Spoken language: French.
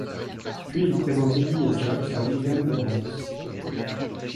Puis il présente Edie et Jack à William Burroughs.